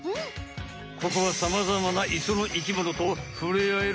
ここはさまざまな磯の生きものとふれあえる